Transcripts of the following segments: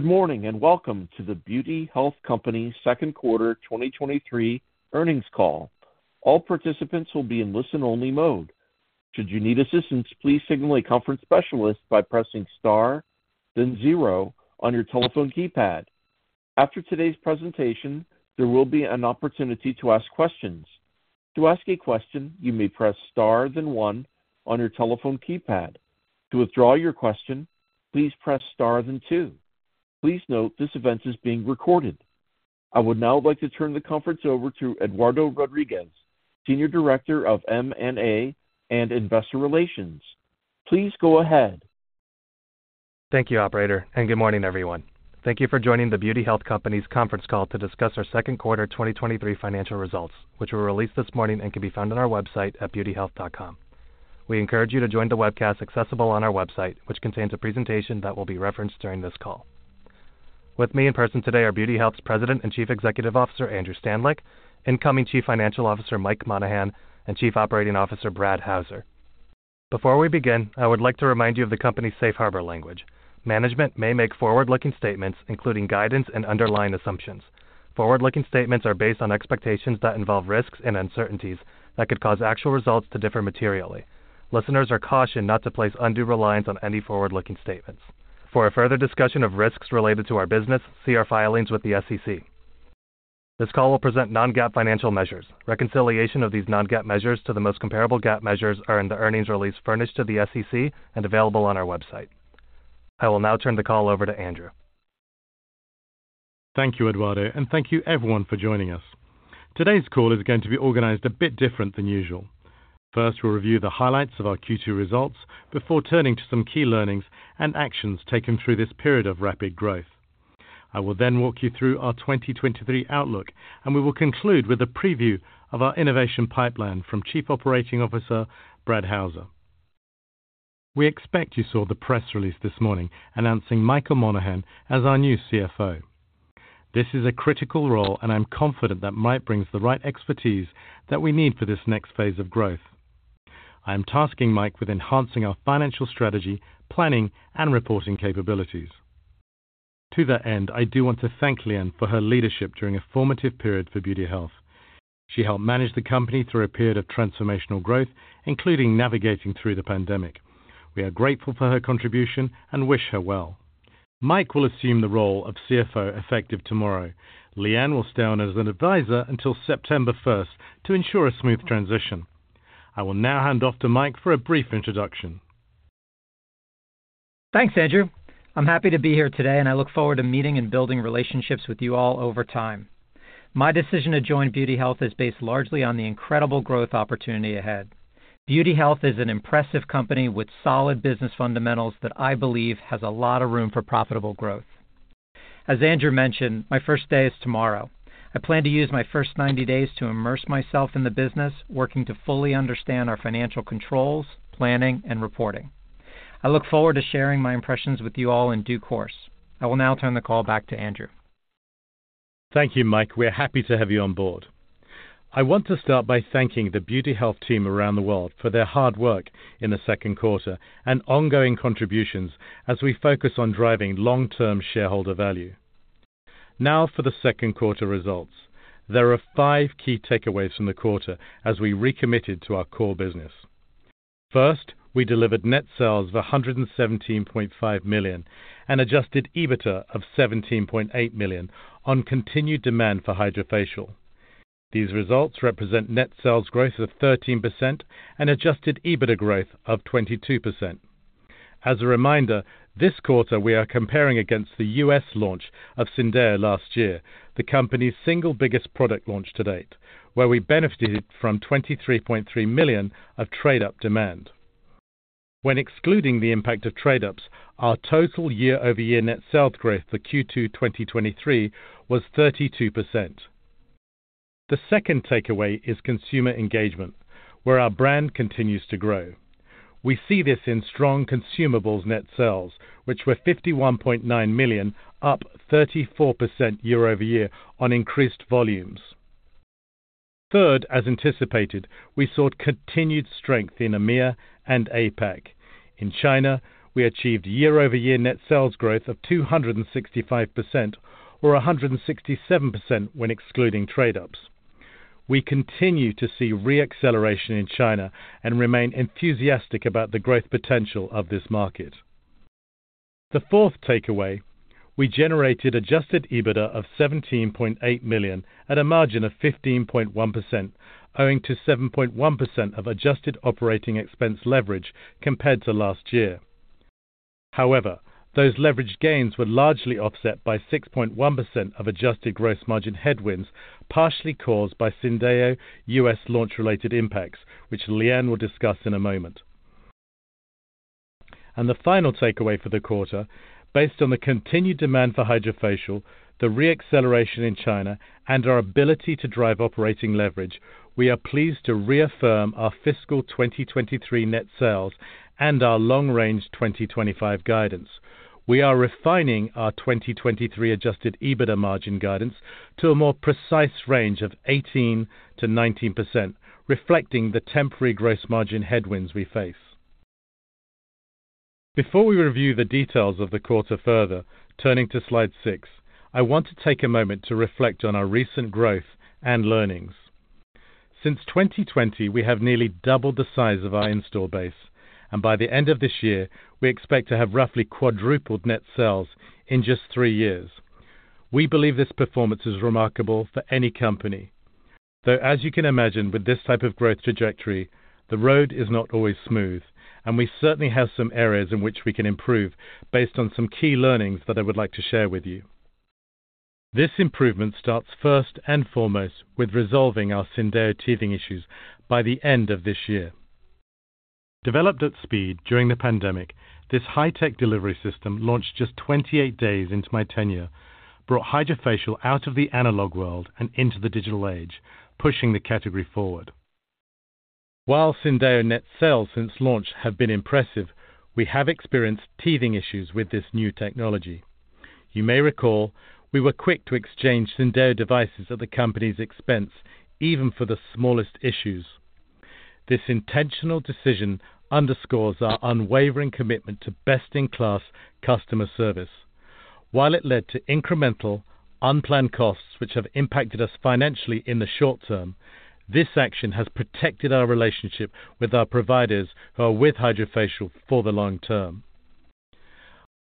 Good morning, welcome to The Beauty Health Company Second Quarter 2023 earnings call. All participants will be in listen-only mode. Should you need assistance, please signal a conference specialist by pressing Star then zero on your telephone keypad. After today's presentation, there will be an opportunity to ask questions. To ask a question, you may press tar then one on your telephone keypad. To withdraw your question, please press star then two. Please note, this event is being recorded. I would now like to turn the conference over to Eduardo Rodriguez, Senior Director of M&A and Investor Relations. Please go ahead. Thank you, operator. Good morning, everyone. Thank you for joining The Beauty Health Company's conference call to discuss our Q2 2023 financial results, which were released this morning and can be found on our website at beautyhealth.com. We encourage you to join the webcast accessible on our website, which contains a presentation that will be referenced during this call. With me in person today are Beauty Health's President and Chief Executive Officer, Andrew Stanleick, incoming Chief Financial Officer, Mike Monahan, and Chief Operating Officer, Brad Houser. Before we begin, I would like to remind you of the company's safe harbor language. Management may make forward-looking statements, including guidance and underlying assumptions. Forward-looking statements are based on expectations that involve risks and uncertainties that could cause actual results to differ materially. Listeners are cautioned not to place undue reliance on any forward-looking statements. For a further discussion of risks related to our business, see our filings with the SEC. This call will present non-GAAP financial measures. Reconciliation of these non-GAAP measures to the most comparable GAAP measures are in the earnings release furnished to the SEC and available on our website. I will now turn the call over to Andrew. Thank you, Eduardo, and thank you everyone for joining us. Today's call is going to be organized a bit different than usual. First, we'll review the highlights of our Q2 results before turning to some key learnings and actions taken through this period of rapid growth. I will then walk you through our 2023 outlook, and we will conclude with a preview of our innovation pipeline from Chief Operating Officer Brad Houser. We expect you saw the press release this morning announcing Michael Monahan as our new CFO. This is a critical role, and I'm confident that Mike brings the right expertise that we need for this next phase of growth. I am tasking Mike with enhancing our financial strategy, planning, and reporting capabilities. To that end, I do want to thank Liyuan for her leadership during a formative period for Beauty Health. She helped manage the company through a period of transformational growth, including navigating through the pandemic. We are grateful for her contribution and wish her well. Mike will assume the role of CFO effective tomorrow. Liyuan will stay on as an advisor until September first to ensure a smooth transition. I will now hand off to Mike for a brief introduction. Thanks, Andrew. I'm happy to be here today, and I look forward to meeting and building relationships with you all over time. My decision to join Beauty Health is based largely on the incredible growth opportunity ahead. Beauty Health is an impressive company with solid business fundamentals that I believe has a lot of room for profitable growth. As Andrew mentioned, my first day is tomorrow. I plan to use my first 90 days to immerse myself in the business, working to fully understand our financial controls, planning, and reporting. I look forward to sharing my impressions with you all in due course. I will now turn the call back to Andrew. Thank you, Mike. We're happy to have you on board. I want to start by thanking the Beauty Health team around the world for their hard work in the second quarter and ongoing contributions as we focus on driving long-term shareholder value. For the second quarter results. There are five key takeaways from the quarter as we recommitted to our core business. First, we delivered net sales of $117.5 million and adjusted EBITDA of $17.8 million on continued demand for HydraFacial. These results represent net sales growth of 13% and adjusted EBITDA growth of 22%. As a reminder, this quarter, we are comparing against the U.S. launch of Syndeo last year, the company's single biggest product launch to date, where we benefited from $23.3 million of trade-up demand. When excluding the impact of trade-ups, our total year-over-year net sales growth for Q2 2023 was 32%. The second takeaway is consumer engagement, where our brand continues to grow. We see this in strong consumables net sales, which were $51.9 million, up 34% year-over-year on increased volumes. Third, as anticipated, we sought continued strength in EMEA and APAC. In China, we achieved year-over-year net sales growth of 265% or 167% when excluding trade-ups. We continue to see re-acceleration in China and remain enthusiastic about the growth potential of this market. The fourth takeaway, we generated adjusted EBITDA of $17.8 million at a margin of 15.1%, owing to 7.1% of adjusted operating expense leverage compared to last year. However, those leverage gains were largely offset by 6.1% of adjusted gross margin headwinds, partially caused by Syndeo U.S. launch-related impacts, which Liyuan will discuss in a moment. The final takeaway for the quarter, based on the continued demand for HydraFacial, the re-acceleration in China, and our ability to drive operating leverage, we are pleased to reaffirm our fiscal 2023 net sales and our long-range 2025 guidance. We are refining our 2023 adjusted EBITDA margin guidance to a more precise range of 18%-19%, reflecting the temporary gross margin headwinds we face. Before we review the details of the quarter further, turning to Slide 6, I want to take a moment to reflect on our recent growth and learnings. Since 2020, we have nearly doubled the size of our install base, and by the end of this year, we expect to have roughly quadrupled net sales in just three years. We believe this performance is remarkable for any company. As you can imagine, with this type of growth trajectory, the road is not always smooth, and we certainly have some areas in which we can improve based on some key learnings that I would like to share with you. This improvement starts first and foremost with resolving our Syndeo teething issues by the end of this year. Developed at speed during the pandemic, this high-tech delivery system launched just 28 days into my tenure, brought HydraFacial out of the analog world and into the digital age, pushing the category forward. While Syndeo net sales since launch have been impressive, we have experienced teething issues with this new technology. You may recall, we were quick to exchange Syndeo devices at the company's expense, even for the smallest issues. This intentional decision underscores our unwavering commitment to best-in-class customer service. While it led to incremental, unplanned costs which have impacted us financially in the short-term, this action has protected our relationship with our providers who are with HydraFacial for the long-term.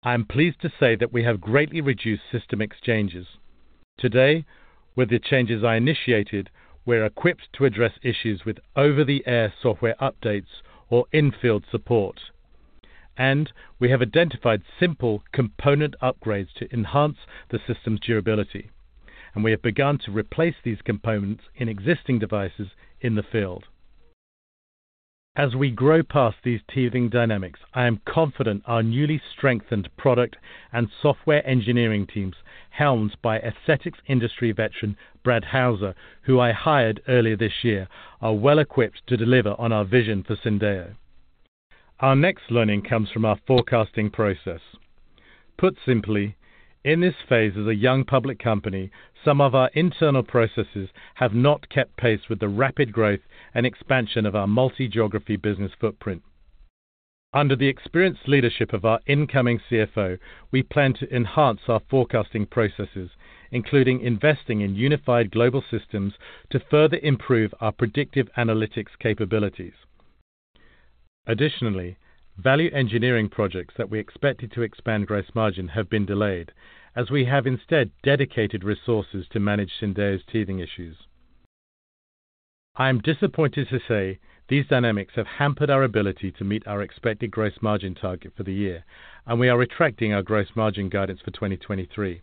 I am pleased to say that we have greatly reduced system exchanges. Today, with the changes I initiated, we're equipped to address issues with over-the-air software updates or in-field support, and we have identified simple component upgrades to enhance the system's durability, and we have begun to replace these components in existing devices in the field. As we grow past these teething dynamics, I am confident our newly strengthened product and software engineering teams, helmed by aesthetics industry veteran, Brad Houser, who I hired earlier this year, are well-equipped to deliver on our vision for Syndeo. Our next learning comes from our forecasting process. Put simply, in this phase as a young public company, some of our internal processes have not kept pace with the rapid growth and expansion of our multi-geography business footprint. Under the experienced leadership of our incoming CFO, we plan to enhance our forecasting processes, including investing in unified global systems, to further improve our predictive analytics capabilities. Additionally, value engineering projects that we expected to expand gross margin have been delayed, as we have instead dedicated resources to manage Syndeo's teething issues. I am disappointed to say these dynamics have hampered our ability to meet our expected gross margin target for the year, and we are retracting our gross margin guidance for 2023.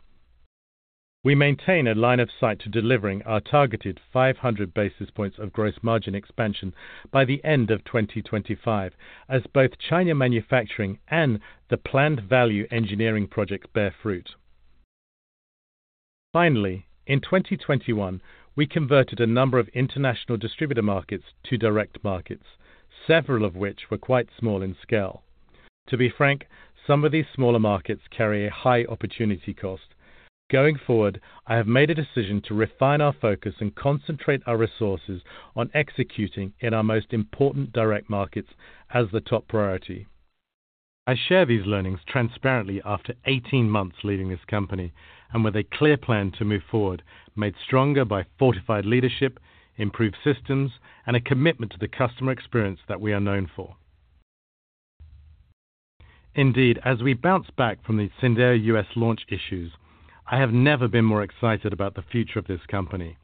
We maintain a line of sight to delivering our targeted 500 basis points of gross margin expansion by the end of 2025, as both China manufacturing and the planned value engineering project bear fruit. Finally, in 2021, we converted a number of international distributor markets to direct markets, several of which were quite small in scale. To be frank, some of these smaller markets carry a high opportunity cost. Going forward, I have made a decision to refine our focus and concentrate our resources on executing in our most important direct markets as the top priority. I share these learnings transparently after 18 months leading this company, and with a clear plan to move forward, made stronger by fortified leadership, improved systems, and a commitment to the customer experience that we are known for. Indeed, as we bounce back from the Syndeo U.S. launch issues, I have never been more excited about the future of this company.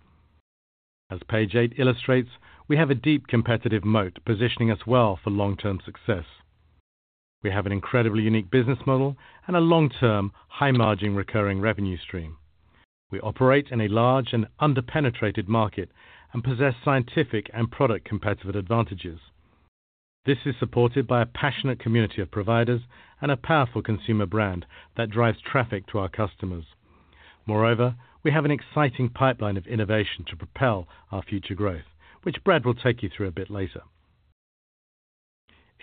As page 8 illustrates, we have a deep competitive moat, positioning us well for long-term success. We have an incredibly unique business model and a long-term, high-margin, recurring revenue stream. We operate in a large and underpenetrated market and possess scientific and product competitive advantages. This is supported by a passionate community of providers and a powerful consumer brand that drives traffic to our customers. Moreover, we have an exciting pipeline of innovation to propel our future growth, which Brad will take you through a bit later.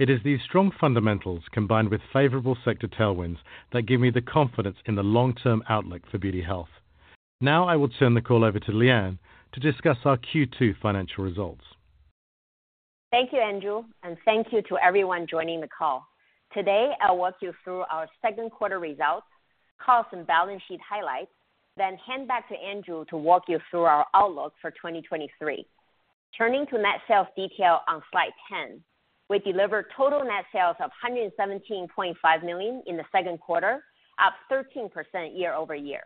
It is these strong fundamentals, combined with favorable sector tailwinds, that give me the confidence in the long-term outlook for Beauty Health. Now I will turn the call over to Liyuan to discuss our Q2 financial results. Thank you, Andrew, and thank you to everyone joining the call. Today, I'll walk you through our second quarter results, call some balance sheet highlights, hand back to Andrew to walk you through our outlook for 2023. Turning to net sales detail on slide 10, we delivered total net sales of $117.5 million in the second quarter, up 13% year-over-year.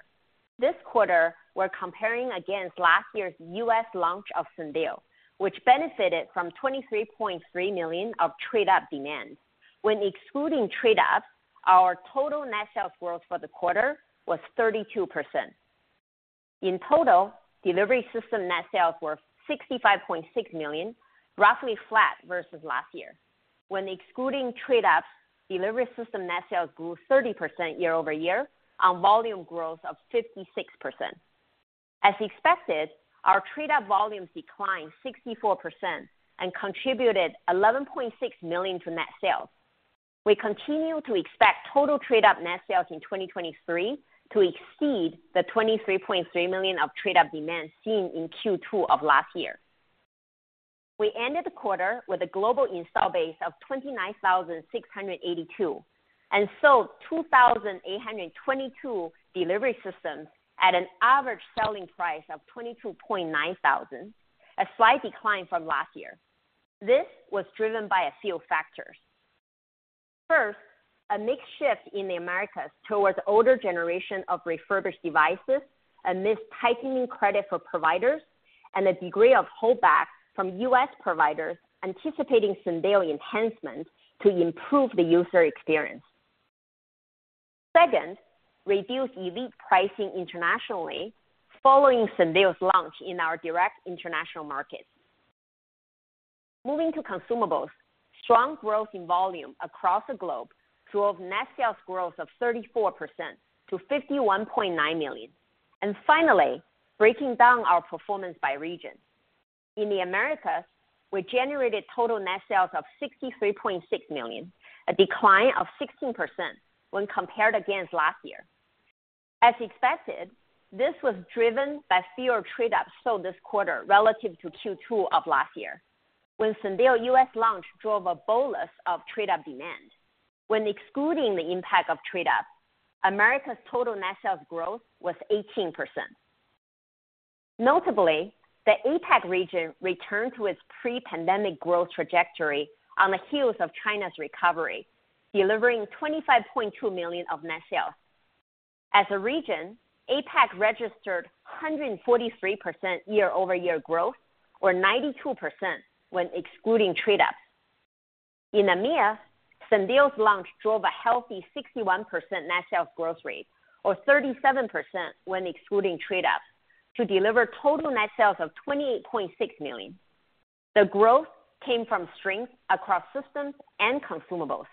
This quarter, we're comparing against last year's U.S. launch of Syndeo, which benefited from $23.3 million of trade-up demand. When excluding trade-ups, our total net sales growth for the quarter was 32%. In total, delivery system net sales were $65.6 million, roughly flat versus last year. When excluding trade-ups, delivery system net sales grew 30% year-over-year on volume growth of 56%. As expected, our trade-up volumes declined 64% and contributed $11.6 million to net sales. We continue to expect total trade-up net sales in 2023 to exceed the $23.3 million of trade-up demand seen in Q2 of last year. We ended the quarter with a global install base of 29,682, and sold 2,822 delivery systems at an average selling price of $22.9 thousand, a slight decline from last year. This was driven by a few factors. First, a mix shift in the Americas towards older generation of refurbished devices, amidst tightening credit for providers and a degree of holdback from U.S. providers anticipating Syndeo enhancements to improve the user experience. Second, reduced Elite pricing internationally following Syndeo's launch in our direct international markets. Moving to consumables, strong growth in volume across the globe drove net sales growth of 34% to $51.9 million. Finally, breaking down our performance by region. In the Americas, we generated total net sales of $63.6 million, a decline of 16% when compared against last year. As expected, this was driven by fewer trade-ups sold this quarter relative to Q2 of last year, when Syndeo U.S. launch drove a bolus of trade-up demand. When excluding the impact of trade-up, America's total net sales growth was 18%. Notably, the APAC region returned to its pre-pandemic growth trajectory on the heels of China's recovery, delivering $25.2 million of net sales. As a region, APAC registered 143% year-over-year growth, or 92% when excluding trade-ups. In EMEA, Syndeo's launch drove a healthy 61% net sales growth rate, or 37% when excluding trade-ups, to deliver total net sales of $28.6 million. The growth came from strength across systems and consumables.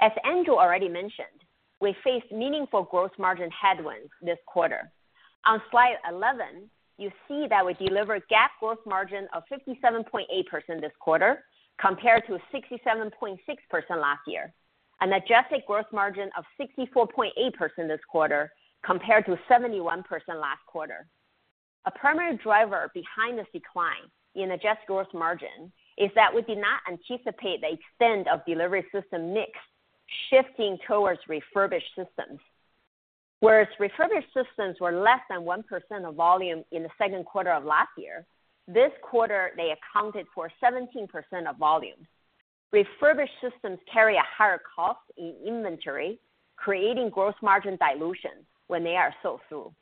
As Andrew already mentioned, we faced meaningful growth margin headwinds this quarter. On slide 11, you see that we delivered GAAP growth margin of 57.8% this quarter, compared to 67.6% last year. Adjusted growth margin of 64.8% this quarter, compared to 71% last quarter. A primary driver behind this decline in adjusted growth margin is that we did not anticipate the extent of delivery system mix shifting towards refurbished systems. Whereas refurbished systems were less than 1% of volume in the second quarter of last year, this quarter, they accounted for 17% of volume. Refurbished systems carry a higher cost in inventory, creating gross margin dilution when they are sold through.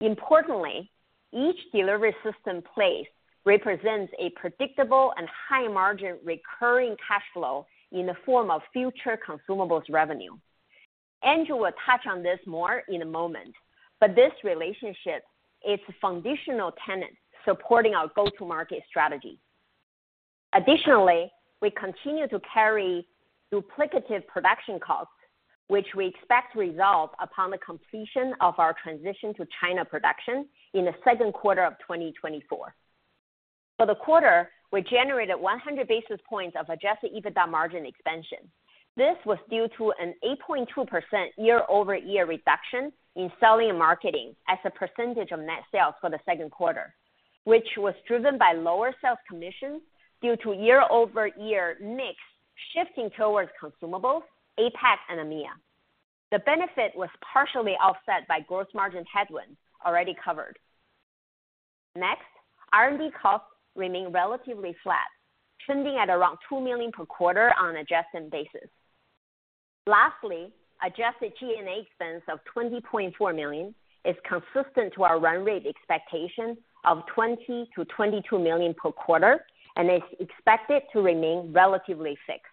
Importantly, each delivery system placed represents a predictable and high-margin recurring cash flow in the form of future consumables revenue. Andrew will touch on this more in a moment. This relationship is a foundational tenet supporting our go-to-market strategy. Additionally, we continue to carry duplicative production costs, which we expect to resolve upon the completion of our transition to China production in the second quarter of 2024. For the quarter, we generated 100 basis points of adjusted EBITDA margin expansion. This was due to an 8.2% year-over-year reduction in selling and marketing as a percentage of net sales for the second quarter, which was driven by lower sales commissions due to year-over-year mix shifting towards consumables, APAC and EMEA. The benefit was partially offset by gross margin headwinds already covered. Next, R&D costs remain relatively flat, trending at around $2 million per quarter on an adjusted basis. Lastly, adjusted G&A expense of $20.4 million is consistent to our run rate expectation of $20 million-$22 million per quarter, and is expected to remain relatively fixed.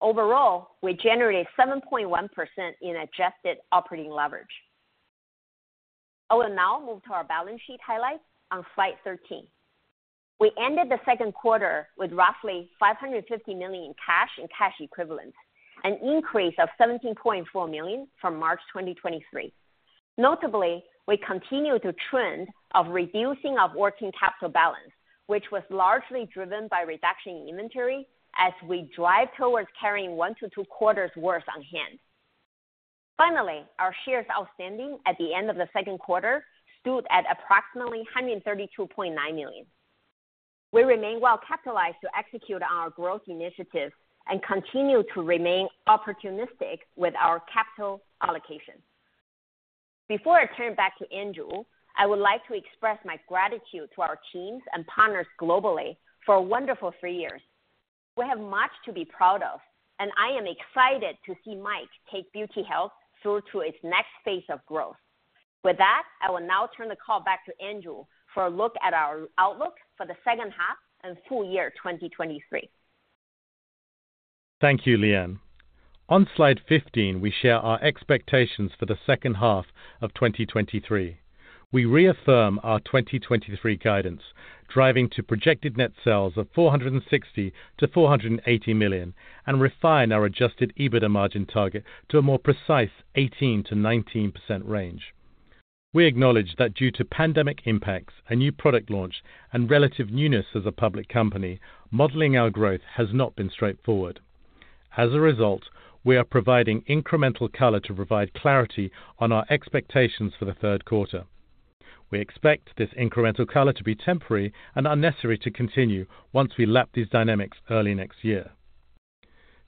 Overall, we generated 7.1% in adjusted operating leverage. I will now move to our balance sheet highlights on slide 13. We ended the second quarter with roughly $550 million in cash and cash equivalents, an increase of $17.4 million from March 2023. Notably, we continue to trend of reducing our working capital balance, which was largely driven by reduction in inventory as we drive towards carrying 1-2 quarters worth on hand. Finally, our shares outstanding at the end of the second quarter stood at approximately 132.9 million. We remain well capitalized to execute on our growth initiatives and continue to remain opportunistic with our capital allocation. Before I turn it back to Andrew, I would like to express my gratitude to our teams and partners globally for a wonderful three years. We have much to be proud of, and I am excited to see Mike take Beauty Health through to its next phase of growth. With that, I will now turn the call back to Andrew for a look at our outlook for the second half and full year 2023. Thank you, Liyuan. On slide 15, we share our expectations for the second half of 2023. We reaffirm our 2023 guidance, driving to projected net sales of $460 million-$480 million, and refine our adjusted EBITDA margin target to a more precise 18%-19% range. We acknowledge that due to pandemic impacts and new product launch and relative newness as a public company, modeling our growth has not been straightforward. As a result, we are providing incremental color to provide clarity on our expectations for the third quarter. We expect this incremental color to be temporary and unnecessary to continue once we lap these dynamics early next year.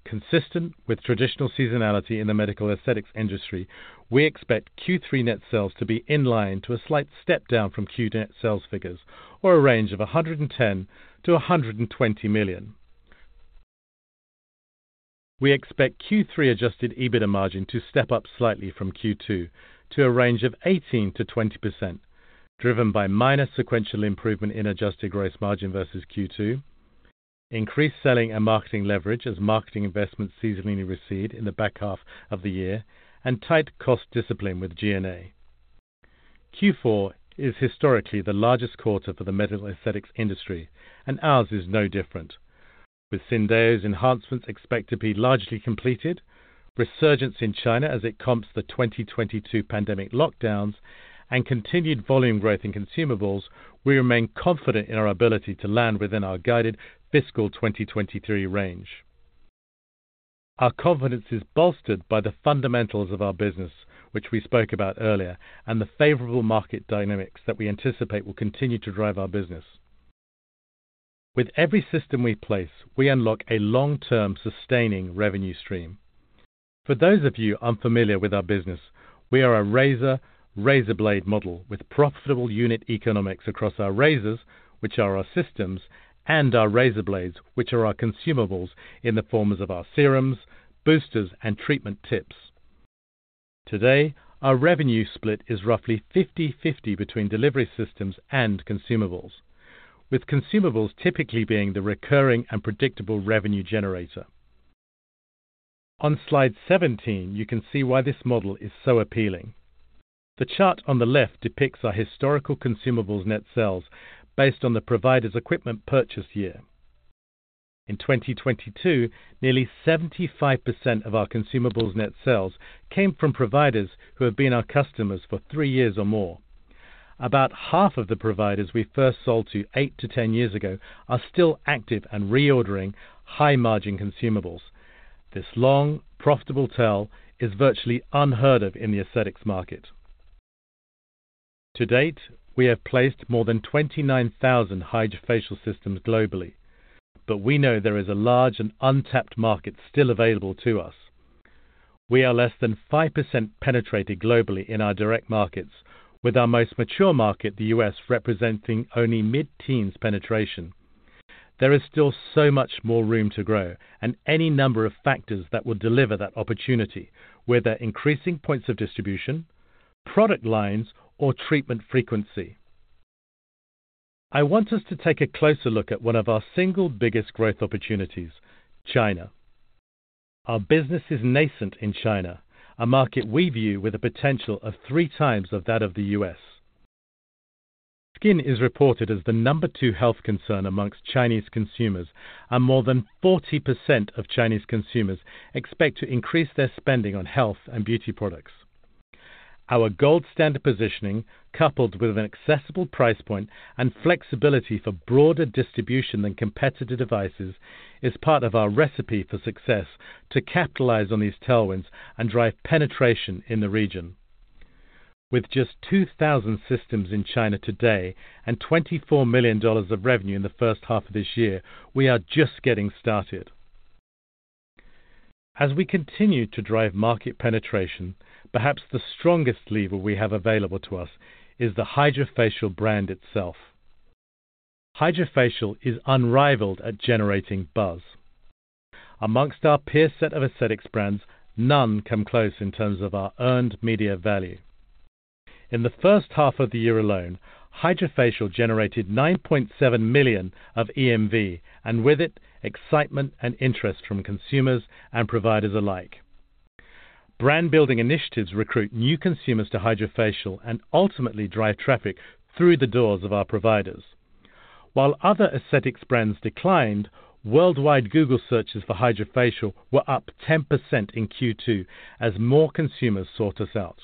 Consistent with traditional seasonality in the medical aesthetics industry, we expect Q3 net sales to be in line to a slight step down from Q2 net sales figures, or a range of $110 million-$120 million. We expect Q3 adjusted EBITDA margin to step up slightly from Q2 to a range of 18%-20%, driven by minor sequential improvement in adjusted gross margin versus Q2, increased selling and marketing leverage as marketing investments seasonally recede in the back half of the year, and tight cost discipline with G&A. Q4 is historically the largest quarter for the medical aesthetics industry, ours is no different. With Syndeo's enhancements expected to be largely completed, resurgence in China as it comps the 2022 pandemic lockdowns, and continued volume growth in consumables, we remain confident in our ability to land within our guided fiscal 2023 range. Our confidence is bolstered by the fundamentals of our business, which we spoke about earlier, and the favorable market dynamics that we anticipate will continue to drive our business. With every system we place, we unlock a long-term sustaining revenue stream. For those of you unfamiliar with our business, we are a razor, razor blade model with profitable unit economics across our razors, which are our systems, and our razorblades, which are our consumables in the forms of our serums, boosters, and treatment tips. Today, our revenue split is roughly 50/50 between delivery systems and consumables, with consumables typically being the recurring and predictable revenue generator. On slide 17, you can see why this model is so appealing. The chart on the left depicts our historical consumables net sales based on the provider's equipment purchase year. In 2022, nearly 75% of our consumables net sales came from providers who have been our customers for three years or more. About half of the providers we first sold to eight to 10 years ago are still active and reordering high-margin consumables. This long, profitable sell is virtually unheard of in the aesthetics market. To date, we have placed more than 29,000 HydraFacial systems globally, but we know there is a large and untapped market still available to us. We are less than 5% penetrated globally in our direct markets, with our most mature market, the U.S., representing only mid-teens penetration. There is still so much more room to grow and any number of factors that will deliver that opportunity, whether increasing points of distribution, product lines, or treatment frequency. I want us to take a closer look at one of our single biggest growth opportunities, China. Our business is nascent in China, a market we view with a potential of three times of that of the U.S. Skin is reported as the number two health concern amongst Chinese consumers, and more than 40% of Chinese consumers expect to increase their spending on health and beauty products. Our gold standard positioning, coupled with an accessible price point and flexibility for broader distribution than competitor devices, is part of our recipe for success to capitalize on these tailwinds and drive penetration in the region. With just 2,000 systems in China today and $24 million of revenue in the first half of this year, we are just getting started. As we continue to drive market penetration, perhaps the strongest lever we have available to us is the HydraFacial brand itself. HydraFacial is unrivaled at generating buzz. Amongst our peer set of aesthetics brands, none come close in terms of our earned media value. In the first half of the year alone, HydraFacial generated $9.7 million of EMV, and with it, excitement and interest from consumers and providers alike. Brand building initiatives recruit new consumers to HydraFacial and ultimately drive traffic through the doors of our providers. While other aesthetics brands declined, worldwide Google searches for HydraFacial were up 10% in Q2 as more consumers sought us out.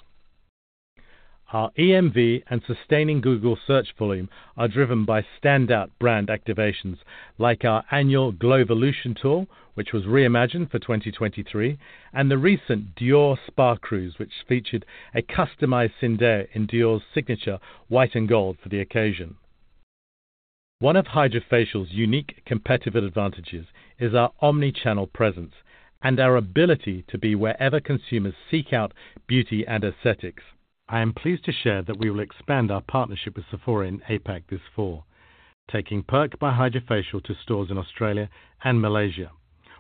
Our EMV and sustaining Google search volume are driven by standout brand activations, like our annual Glowvolution Tour, which was reimagined for 2023, and the recent Dior Spa Cruise, which featured a customized Syndeo in Dior's signature white and gold for the occasion. One of HydraFacial's unique competitive advantages is our omni-channel presence and our ability to be wherever consumers seek out beauty and aesthetics. I am pleased to share that we will expand our partnership with Sephora in APAC this fall, taking Perk by HydraFacial to stores in Australia and Malaysia.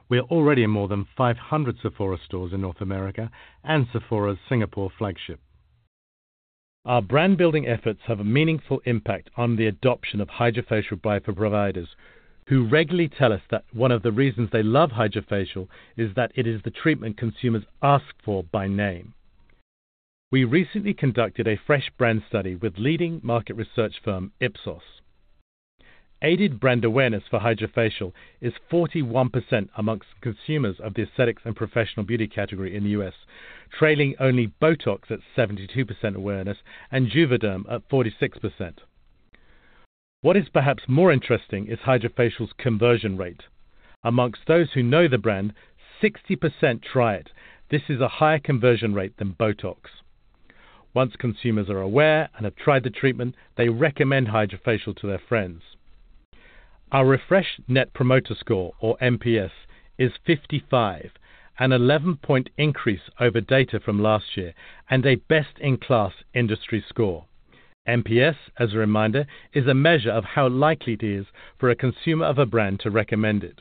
We are already in more than 500 Sephora stores in North America and Sephora's Singapore flagship. Our brand building efforts have a meaningful impact on the adoption of HydraFacial by providers, who regularly tell us that one of the reasons they love HydraFacial is that it is the treatment consumers ask for by name. We recently conducted a fresh brand study with leading market research firm, Ipsos. Aided brand awareness for HydraFacial is 41% amongst consumers of the aesthetics and professional beauty category in the U.S., trailing only BOTOX at 72% awareness and Juvederm at 46%. What is perhaps more interesting is HydraFacial's conversion rate. Amongst those who know the brand, 60% try it. This is a higher conversion rate than BOTOX. Once consumers are aware and have tried the treatment, they recommend HydraFacial to their friends. Our refreshed net promoter score, or NPS, is 55, an 11-point increase over data from last year and a best-in-class industry score. NPS, as a reminder, is a measure of how likely it is for a consumer of a brand to recommend it.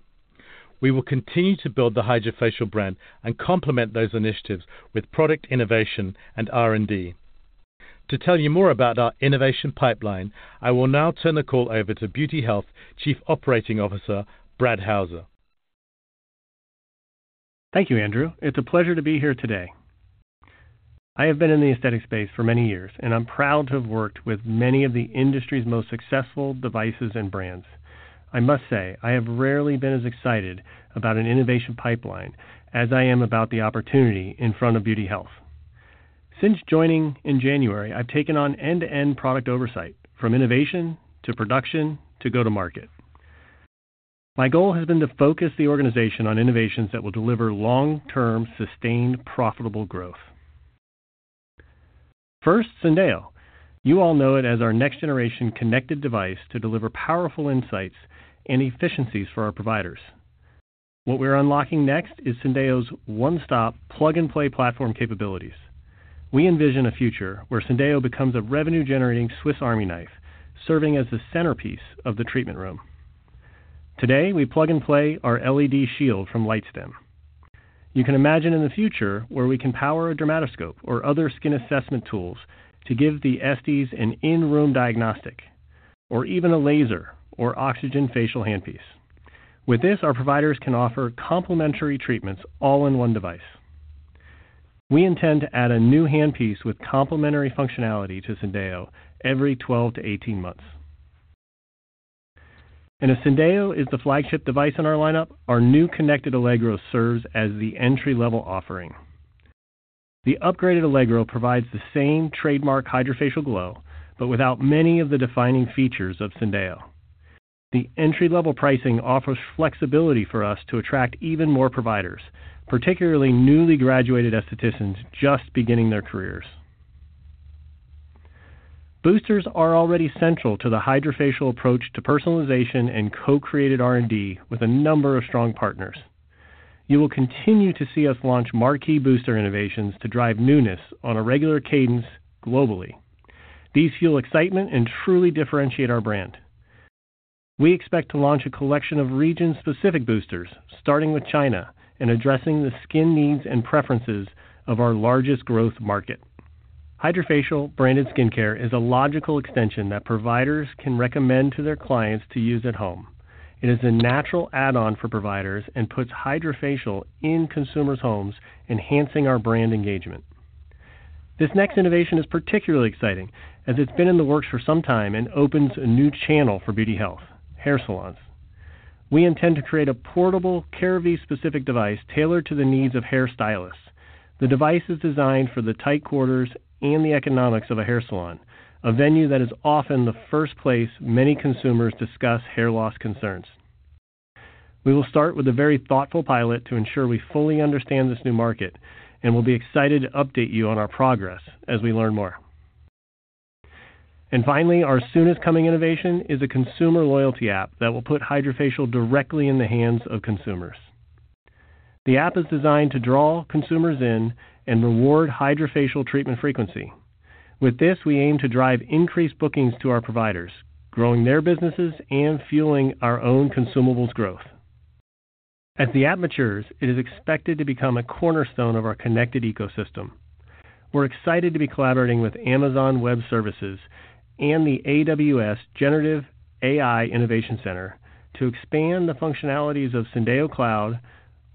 We will continue to build the HydraFacial brand and complement those initiatives with product innovation and R&D. To tell you more about our innovation pipeline, I will now turn the call over to Beauty Health Chief Operating Officer, Brad Houser. Thank you, Andrew. It's a pleasure to be here today. I have been in the aesthetic space for many years, and I'm proud to have worked with many of the industry's most successful devices and brands. I must say, I have rarely been as excited about an innovation pipeline as I am about the opportunity in front of Beauty Health. Since joining in January, I've taken on end-to-end product oversight, from innovation to production to go to market. My goal has been to focus the organization on innovations that will deliver long-term, sustained, profitable growth. First, Syndeo. You all know it as our next-generation connected device to deliver powerful insights and efficiencies for our providers. What we're unlocking next is Syndeo's 1-stop, plug-and-play platform capabilities. We envision a future where Syndeo becomes a revenue-generating Swiss Army knife, serving as the centerpiece of the treatment room. Today, we plug-and-play our LED shield from LightStim. You can imagine in the future where we can power a dermatoscope or other skin assessment tools to give the aesthes an in-room diagnostic, or even a laser or oxygen facial handpiece. With this, our providers can offer complementary treatments all in 1 device. We intend to add a new handpiece with complementary functionality to Syndeo every 12-18 months. If Syndeo is the flagship device in our lineup, our new connected Allegro serves as the entry-level offering. The upgraded Allegro provides the same trademark HydraFacial glow, but without many of the defining features of Syndeo. The entry-level pricing offers flexibility for us to attract even more providers, particularly newly graduated aestheticians just beginning their careers. Boosters are already central to the HydraFacial approach to personalization and co-created R&D with a number of strong partners. You will continue to see us launch marquee booster innovations to drive newness on a regular cadence globally. These fuel excitement and truly differentiate our brand. We expect to launch a collection of region-specific boosters, starting with China, and addressing the skin needs and preferences of our largest growth market. HydraFacial branded skincare is a logical extension that providers can recommend to their clients to use at home. It is a natural add-on for providers and puts HydraFacial in consumers' homes, enhancing our brand engagement. This next innovation is particularly exciting as it's been in the works for some time and opens a new channel for Beauty Health: hair salons. We intend to create a portable, -specific device tailored to the needs of hair stylists. The device is designed for the tight quarters and the economics of a hair salon, a venue that is often the first place many consumers discuss hair loss concerns. We will start with a very thoughtful pilot to ensure we fully understand this new market, and we'll be excited to update you on our progress as we learn more. Finally, our soonest coming innovation is a consumer loyalty app that will put HydraFacial directly in the hands of consumers. The app is designed to draw consumers in and reward HydraFacial treatment frequency. With this, we aim to drive increased bookings to our providers, growing their businesses and fueling our own consumables growth. At the apertures, it is expected to become a cornerstone of our connected ecosystem. We're excited to be collaborating with Amazon Web Services and the AWS Generative AI Innovation Center to expand the functionalities of Syndeo Cloud,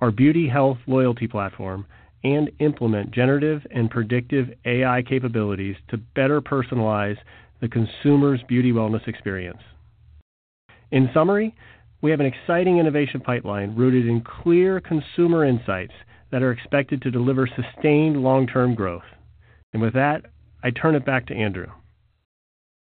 our Beauty Health loyalty platform, and implement generative and predictive AI capabilities to better personalize the consumer's beauty wellness experience. In summary, we have an exciting innovation pipeline rooted in clear consumer insights that are expected to deliver sustained long-term growth. With that, I turn it back to Andrew.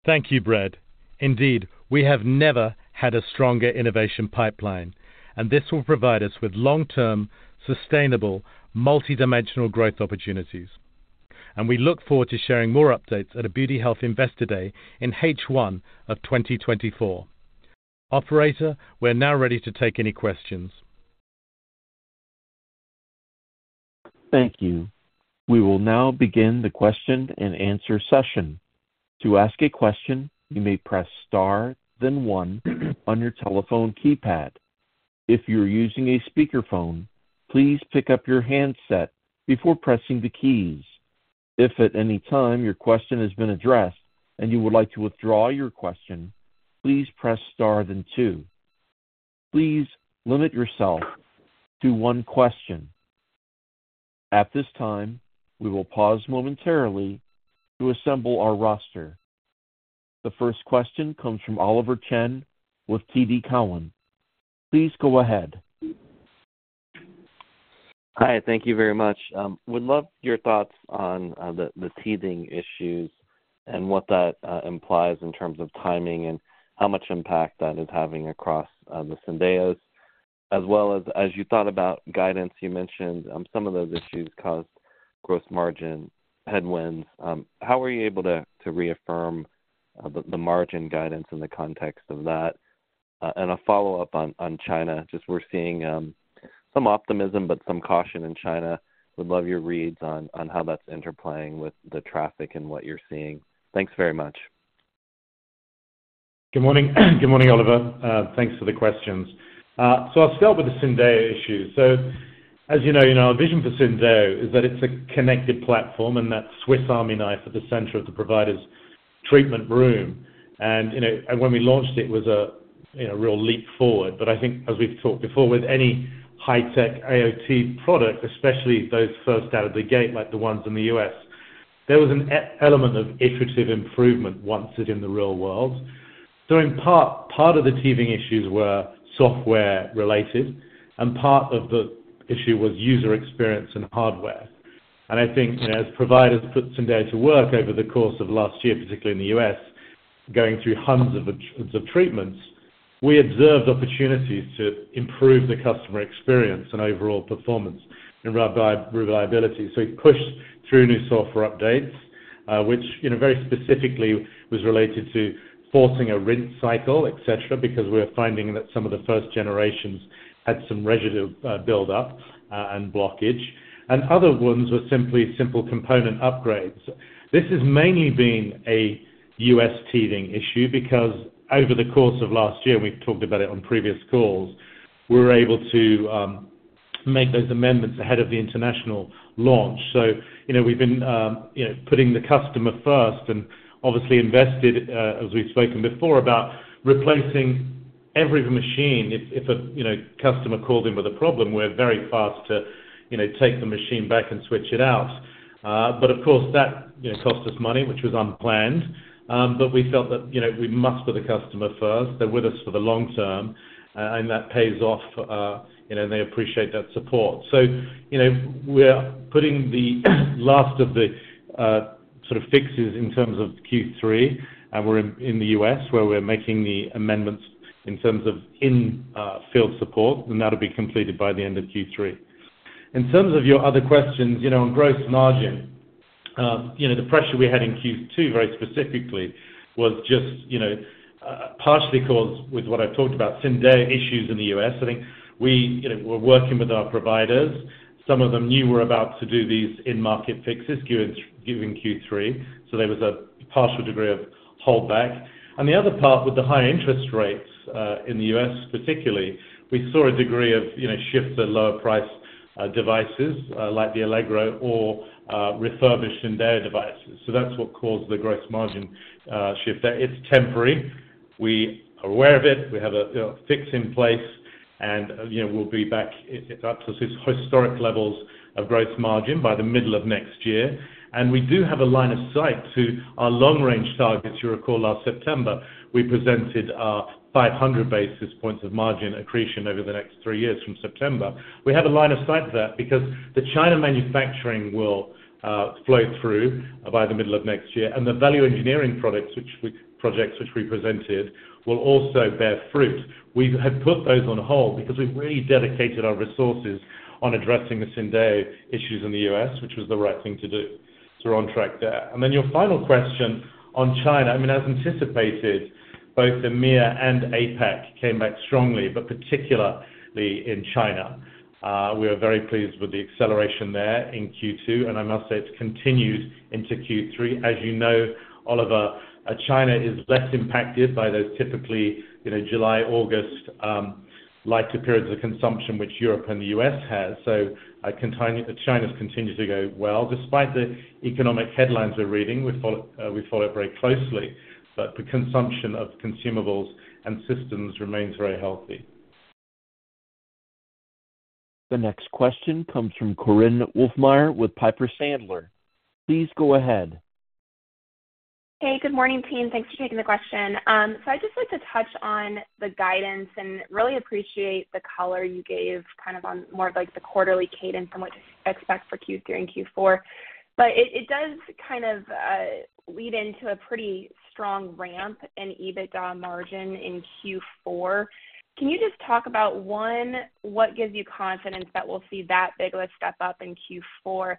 Thank you, Brad. Indeed, we have never had a stronger innovation pipeline, and this will provide us with long-term, sustainable, multidimensional growth opportunities. We look forward to sharing more updates at a Beauty Health Investor Day in H1 of 2024. Operator, we're now ready to take any questions. Thank you. We will now begin the question and answer session. To ask a question, you may press star, then one on your telephone keypad. If you're using a speakerphone, please pick up your handset before pressing the keys. If at any time your question has been addressed and you would like to withdraw your question, please press star, then two. Please limit yourself to one question. At this time, we will pause momentarily to assemble our roster. The first question comes from Oliver Chen with TD Cowen. Please go ahead. Hi, thank you very much. Would love your thoughts on the teething issues and what that implies in terms of timing and how much impact that is having across the Syndeos. As well as, as you thought about guidance, you mentioned some of those issues caused gross margin headwinds. How were you able to reaffirm the margin guidance in the context of that? A follow-up on China. Just we're seeing some optimism, but some caution in China. Would love your reads on how that's interplaying with the traffic and what you're seeing. Thanks very much. Good morning. Good morning, Oliver. Thanks for the questions. I'll start with the Syndeo issue. As you know, in our vision for Syndeo is that it's a connected platform and that Swiss Army knife at the center of the provider's treatment room. You know, and when we launched it, it was a, you know, real leap forward. I think as we've talked before, with any high-tech IoT product, especially those first out of the gate, like the ones in the U.S., there was an e-element of iterative improvement, once it in the real-world. In part, part of the teething issues were software related, and part of the issue was user experience and hardware. I think, you know, as providers put Syndeo to work over the course of last year, particularly in the U.S., going through hundreds of treatments, we observed opportunities to improve the customer experience and overall performance and reliability. We pushed through new software updates, which, you know, very specifically was related to forcing a rinse cycle, et cetera, because we're finding that some of the first generations had some residue, build up, and blockage, and other ones were simply simple component upgrades. This has mainly been a U.S. teething issue because over the course of last year, and we've talked about it on previous calls, we were able to make those amendments ahead of the international launch. You know, we've been, you know, putting the customer first and obviously invested, as we've spoken before, about replacing every machine. If a, you know, customer called in with a problem, we're very fast to, you know, take the machine back and switch it out. Of course, that, you know, cost us money, which was unplanned. We felt that, you know, we must put the customer first. They're with us for the long-term, and that pays off, you know, and they appreciate that support. We're putting the last of the sort of fixes in terms of Q3, and we're in, in the U.S., where we're making the amendments in terms of in field support, and that'll be completed by the end of Q3. In terms of your other questions, you know, on gross margin, you know, the pressure we had in Q2 very specifically was just, you know, partially because with what I talked about, Syndeo issues in the U.S., I think we, you know, we're working with our providers. Some of them knew we're about to do these in-market fixes due in, due in Q3, so there was a partial degree of holdback. The other part, with the high interest rates, in the U.S. particularly, we saw a degree of, you know, shift to lower price devices, like the Allegro or refurbished Syndeo devices. That's what caused the gross margin shift. It's temporary. We are aware of it. We have a, you know, fix in place, and, you know, we'll be back up to historic levels of gross margin by the middle of next year. We do have a line of sight to our long-range targets. You recall last September, we presented our 500 basis points of margin accretion over the next three years from September. We have a line of sight there because the China manufacturing will flow through by the middle of next year, and the value engineering projects which we presented, will also bear fruit. We had put those on hold because we've really dedicated our resources on addressing the Syndeo issues in the U.S., which was the right thing to do. We're on track there. Your final question on China. I mean, as anticipated, both the EMEA and APAC came back strongly, but particularly in China. We are very pleased with the acceleration there in Q2, and I must say it's continued into Q3. As you know, Oliver, China is less impacted by those typically, you know, July, August, lighter periods of consumption, which Europe and the U.S. has. China's continued to go well, despite the economic headlines we're reading, we follow, we follow it very closely, but the consumption of consumables and systems remains very healthy. The next question comes from Korinne Wolfmeyer with Piper Sandler. Please go ahead. Hey, good morning, team. Thanks for taking the question. I'd just like to touch on the guidance and really appreciate the color you gave kind of on more of, like, the quarterly cadence and what to expect for Q3 and Q4. It, it does kind of, lead into a pretty strong ramp in EBITDA margin in Q4. Can you just talk about, 1, what gives you confidence that we'll see that big step up in Q4?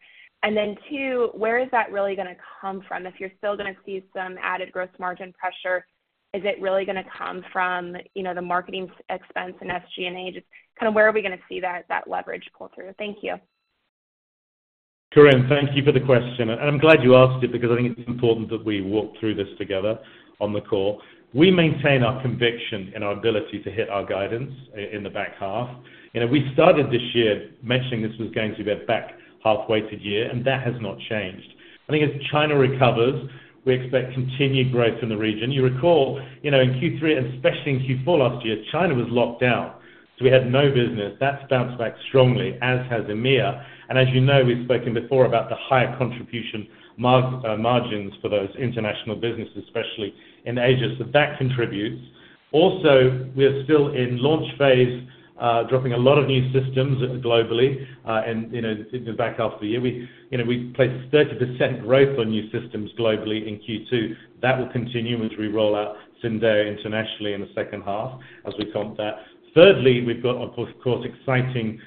2, where is that really going to come from? If you're still going to see some added gross margin pressure, is it really going to come from, you know, the marketing expense and SG&A? Just kind of where are we going to see that, that leverage pull through? Thank you. Korinne, thank you for the question, and I'm glad you asked it because I think it's important that we walk through this together on the call. We maintain our conviction and our ability to hit our guidance in the back half. You know, we started this year mentioning this was going to be a back half-weighted year, and that has not changed. I think as China recovers, we expect continued growth in the region. You recall, you know, in Q3 and especially in Q4 last year, China was locked down. We had no business. That's bounced back strongly, as has EMEA. As you know, we've spoken before about the higher contribution margins for those international businesses, especially in Asia. That contributes. We are still in launch phase, dropping a lot of new systems globally, and, you know, in the back half of the year. We, you know, we placed 30% growth on new systems globally in Q2. That will continue as we roll out Syndeo internationally in the second half, as we comp that. We've got, of course, exciting,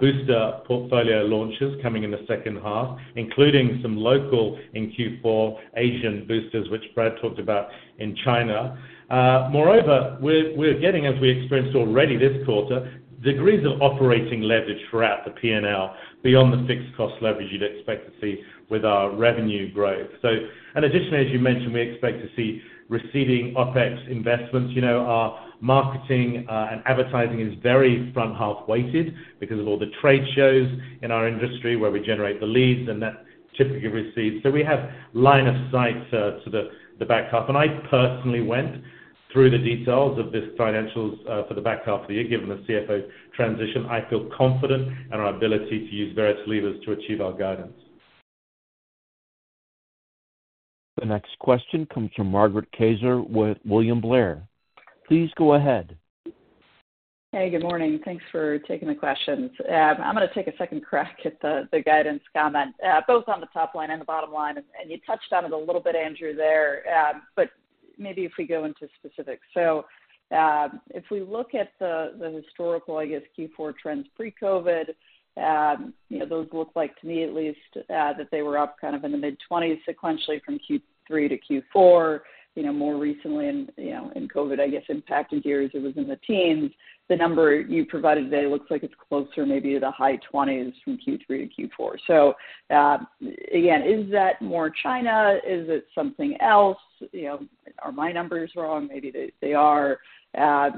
booster portfolio launches coming in the second half, including some local in Q4, Asian boosters, which Brad talked about in China. We're, we're getting, as we experienced already this quarter, degrees of operating leverage throughout the P&L, beyond the fixed cost leverage you'd expect to see with our revenue growth. Additionally, as you mentioned, we expect to see receding OpEx investments. You know, our marketing, and advertising is very front half weighted because of all the trade shows in our industry where we generate the leads, and that typically recedes. We have line of sight to, to the, the back half. I personally went through the details of this financials, for the back half of the year, given the CFO transition. I feel confident in our ability to use various levers to achieve our guidance. The next question comes from Margaret Kaczor with William Blair. Please go ahead. Hey, good morning. Thanks for taking the questions. I'm gonna take a second crack at the guidance comment, both on the top line and the bottom line, and you touched on it a little bit, Andrew, there, but maybe if we go into specifics. If we look at the historical, I guess, Q4 trends pre-COVID, you know, those look like, to me at least, that they were up kind of in the mid-20s sequentially from Q3 to Q4. You know, more recently in, you know, in COVID, I guess, impacted years, it was in the teens. The number you provided today looks like it's closer maybe to the high 20s from Q3 to Q4. Again, is that more China? Is it something else? You know, are my numbers wrong? Maybe they, they are. As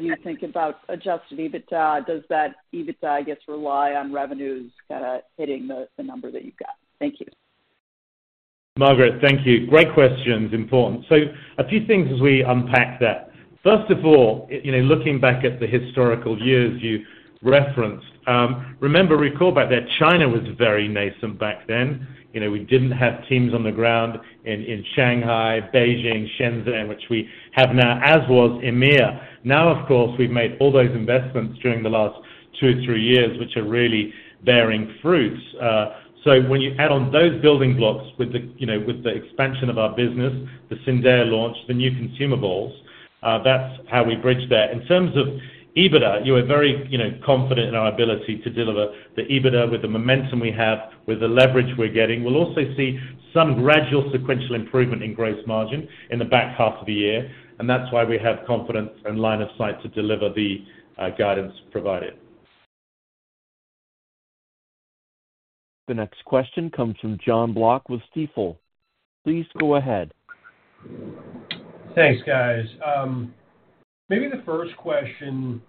you think about adjusted EBITDA, does that EBITDA, I guess, rely on revenues kinda hitting the number that you've got? Thank you. Margaret, thank you. Great questions, important. A few things as we unpack that. First of all, you know, looking back at the historical years you referenced, remember, recall back that China was very nascent back then. You know, we didn't have teams on the ground in, in Shanghai, Beijing, Shenzhen, which we have now, as was EMEA. Now, of course, we've made all those investments during the last two, three years, which are really bearing fruits. When you add on those building blocks with the, you know, with the expansion of our business, the Syndeo launch, the new consumables, that's how we bridge that. In terms of EBITDA, you are very, you know, confident in our ability to deliver the EBITDA with the momentum we have, with the leverage we're getting. We'll also see some gradual sequential improvement in gross margin in the back half of the year, and that's why we have confidence and line of sight to deliver the guidance provided. The next question comes from John Block with Stifel. Please go ahead. Thanks, guys. Maybe the first question,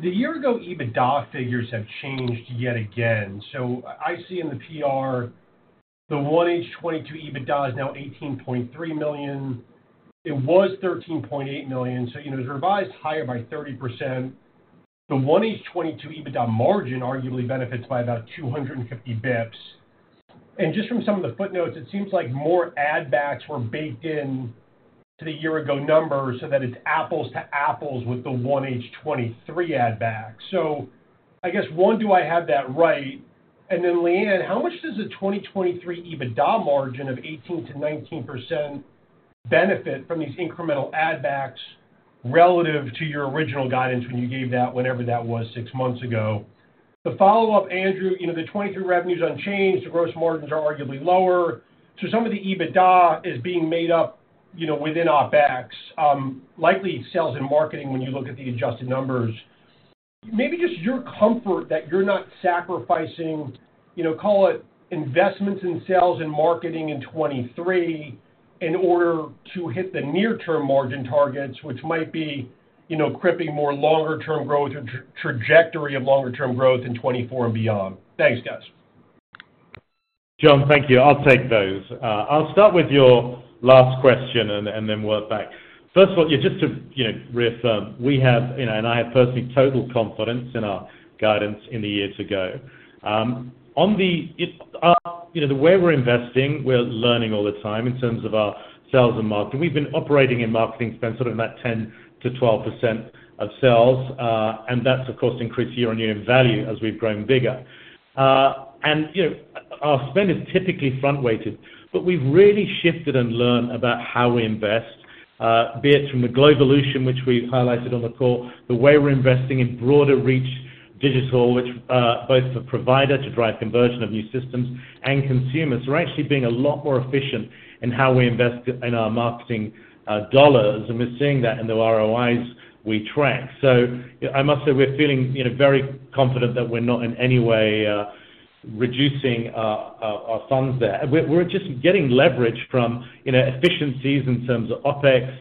the year-ago EBITDA figures have changed yet again. I see in the PR, the 1H 2022 EBITDA is now $18.3 million. It was $13.8 million, so, you know, it's revised higher by 30%. The 1H 2022 EBITDA margin arguably benefits by about 250 basis points. Just from some of the footnotes, it seems like more add backs were baked in to the year-ago numbers so that it's apples to apples with the 1H 2023 add back. I guess, one, do I have that right? Liyuan, how much does the 2023 EBITDA margin of 18%-19% benefit from these incremental add backs relative to your original guidance when you gave that, whenever that was, 6 months ago? The follow-up, Andrew, you know, the 2023 revenue's unchanged, the gross margins are arguably lower. Some of the EBITDA is being made up, you know, within OpEx, likely sales and marketing, when you look at the adjusted numbers. Maybe just your comfort that you're not sacrificing, you know, call it investments in sales and marketing in 2023, in order to hit the near-term margin targets, which might be, you know, crippling more longer-term growth or trajectory of longer-term growth in 2024 and beyond? Thanks, guys. John, thank you. I'll take those. I'll start with your last question and then work back. First of all, just to, you know, reaffirm, we have, you know, and I have personally total confidence in our guidance in the year to go. On the, it, you know, the way we're investing, we're learning all the time in terms of our sales and marketing. We've been operating in marketing spend sort of in that 10%-12% of sales, and that's, of course, increased year-over-year in value as we've grown bigger. You know, our spend is typically front-weighted, but we've really shifted and learned about how we invest, be it from the Glovolution, which we've highlighted on the call, the way we're investing in broader reach digital, which both for provider to drive conversion of new systems and consumers. We're actually being a lot more efficient in how we invest in our marketing dollars, and we're seeing that in the ROIs we track. I must say we're feeling, you know, very confident that we're not in any way reducing our, our, our funds there. We're, we're just getting leverage from, you know, efficiencies in terms of OpEx,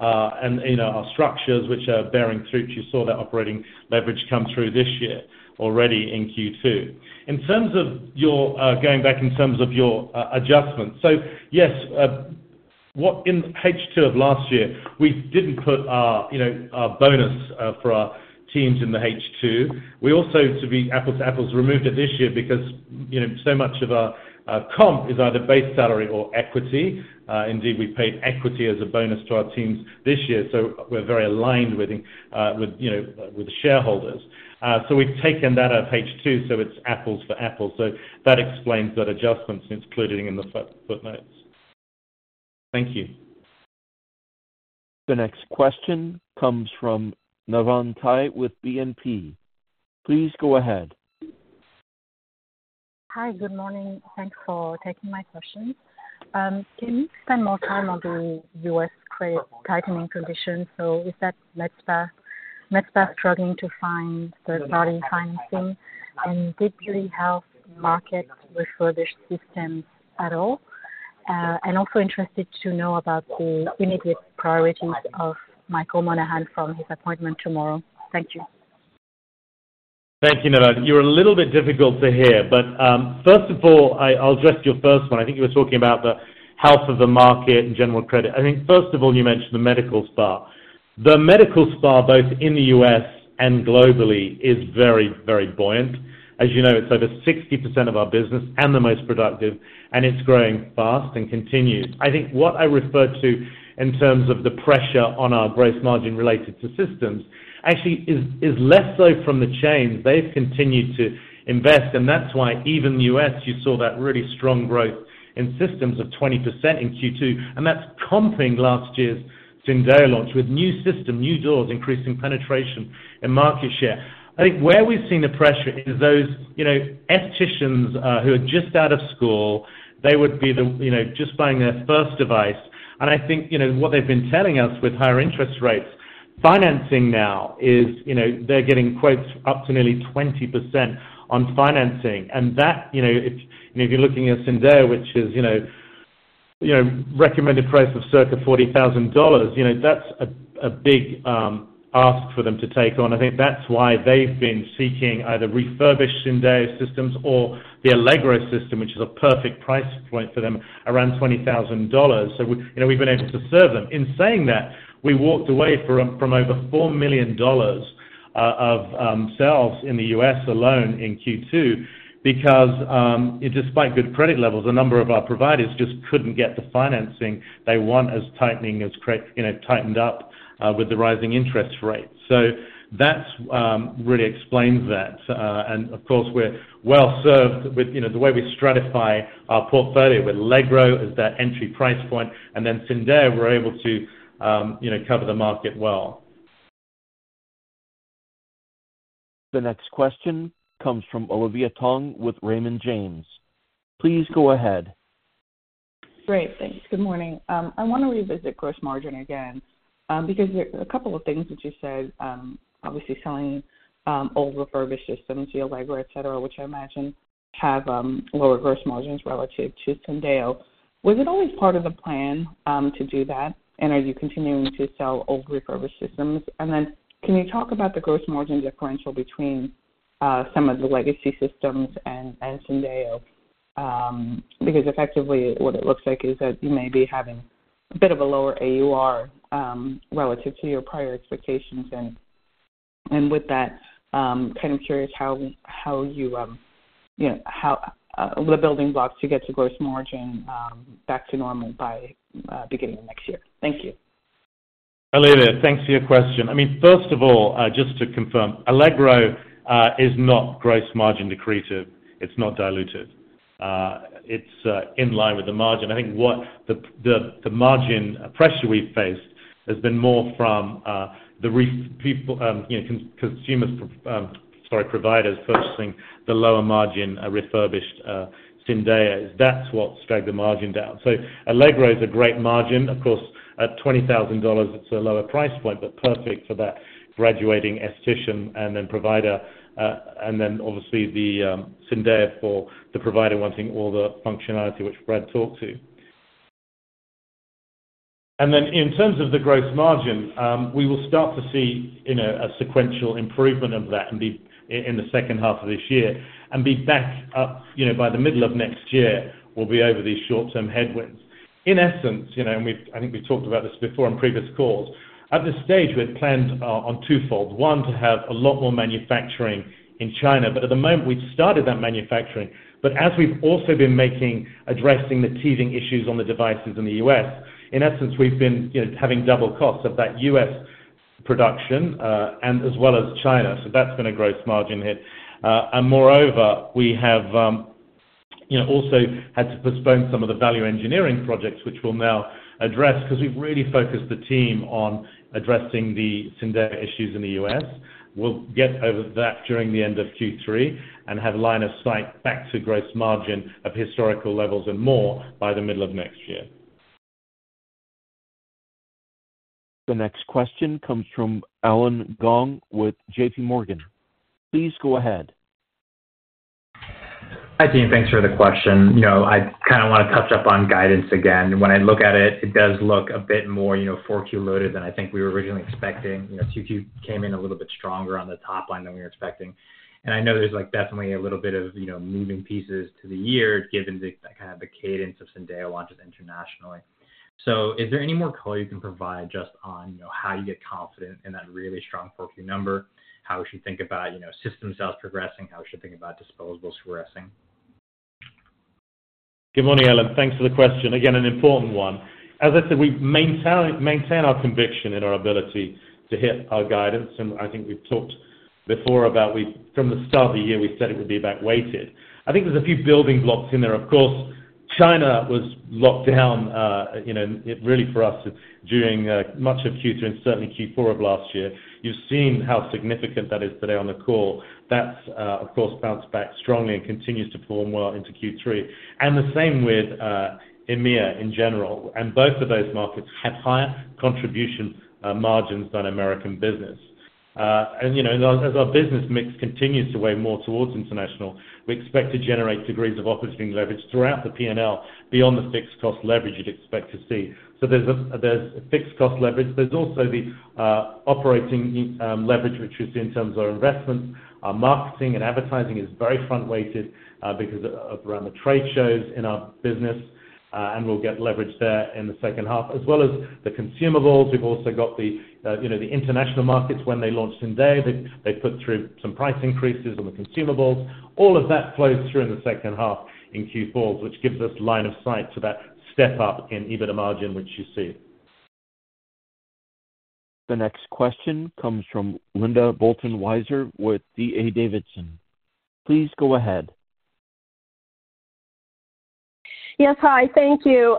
and, you know, our structures, which are bearing fruit. You saw that operating leverage come through this year already in Q2. In terms of your, going back in terms of your, adjustments, yes, in H2 of last year, we didn't put our, you know, our bonus, for our teams in the H2. We also, to be apples to apples, removed it this year because, you know, so much of our, our comp is either base salary or equity. Indeed, we paid equity as a bonus to our teams this year, so we're very aligned with the, with, you know, with the shareholders. We've taken that out of H2, so it's apples to apples. That explains that adjustment. It's included in the footnotes. Thank you. The next question comes from Navann Ty with BNP. Please go ahead. Hi, good morning, thanks for taking my question. Can you spend more time on the U.S. credit tightening conditions? Is that med spa, med spa struggling to find third-party financing? Did you have market refurbished systems at all? Also interested to know about the immediate priorities of Michael Monahan from his appointment tomorrow. Thank you. Thank you, Navann. You're a little bit difficult to hear, but first of all, I'll address your first one. I think you were talking about the health of the market and general credit. I think first of all, you mentioned the medical spa. The medical spa, both in the U.S. and globally, is very, very buoyant. As you know, it's over 60% of our business and the most productive, and it's growing fast and continued. I think what I referred to in terms of the pressure on our gross margin related to systems, actually is less so from the chains. They've continued to invest, and that's why even in the U.S., you saw that really strong growth in systems of 20% in Q2, and that's comping last year's Syndeo launch with new system, new doors, increasing penetration and market share. I think where we've seen the pressure is those, you know, estheticians, who are just out of school, they would be the, you know, just buying their first device. I think, you know, what they've been telling us with higher interest rates, financing now is, you know, they're getting quotes up to nearly 20% on financing. That, you know, if, if you're looking at Syndeo, which is, you know, you know, recommended price of circa $40,000, you know, that's a, a big ask for them to take on. I think that's why they've been seeking either refurbished Syndeo systems or the Allegro system, which is a perfect price point for them, around $20,000. We, you know, we've been able to serve them. In saying that, we walked away from over $4 million of sales in the U.S. alone in Q2 because, despite good credit levels, a number of our providers just couldn't get the financing they want as credit, you know, tightened up with the rising interest rates. That's really explains that. Of course, we're well served with, you know, the way we stratify our portfolio with Allegro as that entry price point, and then Syndeo, we're able to, you know, cover the market well. The next question comes from Olivia Tong with Raymond James. Please go ahead. Great, thanks. Good morning. I wanna revisit gross margin again, because there are a couple of things that you said, obviously selling, old refurbished systems, your Allegro, et cetera, which I imagine have, lower gross margins relative to Syndeo. Was it always part of the plan, to do that? Are you continuing to sell old refurbished systems? Then can you talk about the gross margin differential between, some of the legacy systems and, and Syndeo? Because effectively, what it looks like is that you may be having a bit of a lower AUR, relative to your prior expectations. And with that, kind of curious how, how you, you know, how, the building blocks to get to gross margin, back to normal by, beginning of next year. Thank you. Olivia, thanks for your question. I mean, first of all, just to confirm, Allegro is not gross margin decretive. It's not diluted. It's in line with the margin. I think what the, the, the margin pressure we've faced has been more from, you know, sorry, providers purchasing the lower margin, refurbished, Syndeo. That's what dragged the margin down. Allegro is a great margin. Of course, at $20,000, it's a lower price point, but perfect for that graduating esthetician and then provider, and then obviously the Syndeo for the provider wanting all the functionality, which Brad talked to. In terms of the gross margin, we will start to see, you know, a sequential improvement of that in the second half of this year, and be back up, you know, by the middle of next year, we'll be over these short-term headwinds. In essence, you know, and we've -- I think we've talked about this before on previous calls, at this stage, we had planned on twofold. One, to have a lot more manufacturing in China, but at the moment, we've started that manufacturing. As we've also been making... Addressing the teething issues on the devices in the U.S., in essence, we've been, you know, having double costs of that U.S. production, and as well as China. That's been a gross margin hit. Moreover, we have, you know, also had to postpone some of the value engineering projects, which we'll now address, because we've really focused the team on addressing the Syndeo issues in the U.S. We'll get over that during the end of Q3 and have line of sight back to gross margin of historical levels and more by the middle of next year. The next question comes from Allen Gong with JPMorgan. Please go ahead. Hi, Dean, thanks for the question. You know, I kind of want to touch up on guidance again. When I look at it, it does look a bit more, you know, 4Q loaded than I think we were originally expecting. You know, 2Q came in a little bit stronger on the top line than we were expecting, and I know there's, like, definitely a little bit of, you know, moving pieces to the year, given the, kind of the cadence of Syndeo launches internationally. Is there any more color you can provide just on, you know, how you get confident in that really strong 4Q number? How we should think about, you know, system sales progressing, how we should think about disposables progressing? Good morning, Alan. Thanks for the question. Again, an important 1. As I said, we maintain, maintain our conviction in our ability to hit our guidance. I think we've talked before about from the start of the year, we said it would be back weighted. I think there's a few building blocks in there. Of course, China was locked down, you know, really for us, during much of Q2 and certainly Q4 of last year. You've seen how significant that is today on the call. That's, of course, bounced back strongly and continues to perform well into Q3. The same with EMEA in general. Both of those markets have higher contribution margins than American business. You know, as our business mix continues to weigh more towards international, we expect to generate degrees of operating leverage throughout the P&L, beyond the fixed cost leverage you'd expect to see. There's a, there's a fixed cost leverage. There's also the operating leverage, which you see in terms of our investments. Our marketing and advertising is very front-weighted because of around the trade shows in our business, and we'll get leverage there in the second half, as well as the consumables. We've also got the, you know, the international markets. When they launched Syndeo, they, they put through some price increases on the consumables. All of that flows through in the second half in Q4, which gives us line of sight to that step up in EBITDA margin, which you see. The next question comes from Linda Bolton Weiser with D.A. Davidson. Please go ahead. Yes, hi, thank you.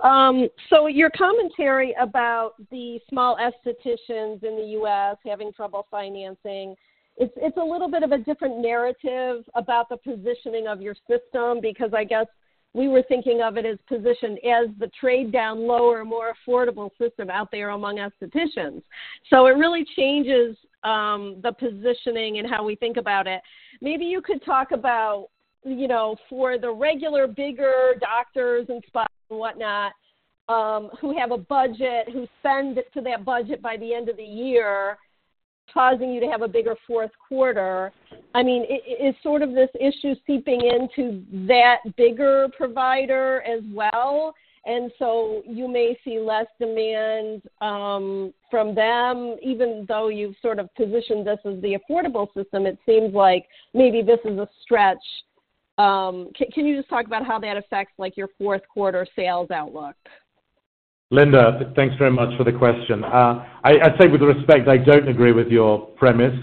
Your commentary about the small aestheticians in the U.S. having trouble financing, it's, it's a little bit of a different narrative about the positioning of your system, because I guess we were thinking of it as positioned as the trade down, lower, more affordable system out there among aestheticians. It really changes the positioning and how we think about it. You could talk about, you know, for the regular, bigger doctors and spas and whatnot, who have a budget, who spend to that budget by the end of the year, causing you to have a bigger fourth quarter. I mean, is, is sort of this issue seeping into that bigger provider as well, and so you may see less demand, from them, even though you've sort of positioned this as the affordable system, it seems like maybe this is a stretch. Can, can you just talk about how that affects, like, your fourth quarter sales outlook? Linda, thanks very much for the question. I, I'd say with respect, I don't agree with your premise.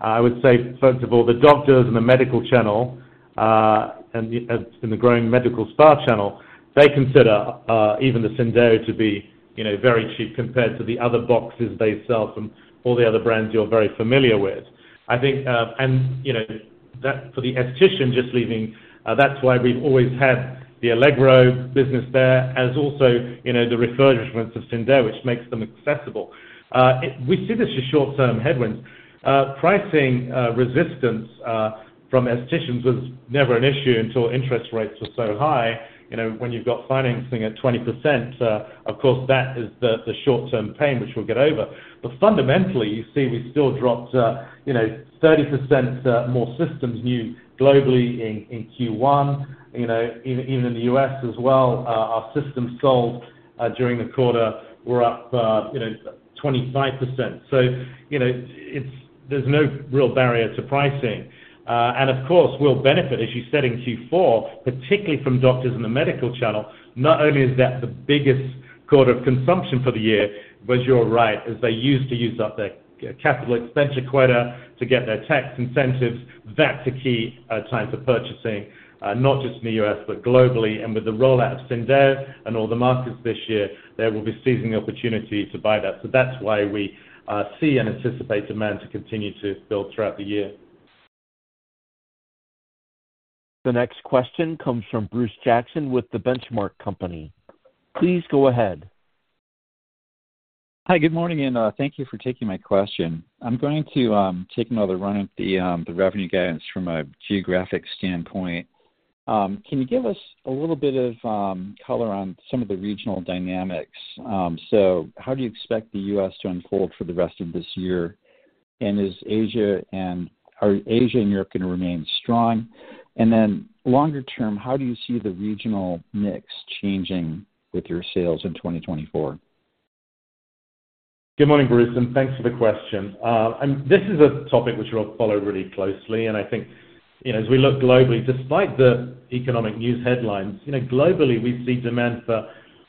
I would say, first of all, the doctors in the medical channel, and the, and the growing medical spa channel, they consider even the Syndeo to be, you know, very cheap compared to the other boxes they sell from all the other brands you're very familiar with. I think, you know, that for the aesthetician just leaving, that's why we've always had the Allegro business there, and it's also, you know, the refurbishment of Syndeo, which makes them accessible. We see this as short-term headwinds. Pricing, resistance, from aestheticians was never an issue until interest rates were so high. You know, when you've got financing at 20%, of course, that is the, the short-term pain, which we'll get over. Fundamentally, you see, we still dropped, you know, 30% more systems, new globally in Q1. You know, even, even in the U.S. as well, our systems sold, during the quarter were up, you know, 25%. You know, it's, there's no real barrier to pricing. Of course, we'll benefit as you said, in Q4, particularly from doctors in the medical channel. Not only is that the biggest quarter of consumption for the year, but you're right, as they used to use up their capital expenditure quota to get their tax incentives, that's a key time for purchasing, not just in the U.S., but globally. With the rollout of Syndeo and all the markets this year, they will be seizing the opportunity to buy that. That's why we see and anticipate demand to continue to build throughout the year. The next question comes from Bruce Jackson with the Benchmark Company. Please go ahead. Hi, good morning, and thank you for taking my question. I'm going to take another run at the revenue guidance from a geographic standpoint. Can you give us a little bit of color on some of the regional dynamics? How do you expect the U.S. to unfold for the rest of this year? Is Asia or Asia and Europe going to remain strong? Longer term, how do you see the regional mix changing with your sales in 2024? Good morning, Bruce, and thanks for the question. This is a topic which I'll follow really closely, and I think, you know, as we look globally, despite the economic news headlines, you know, globally, we see demand for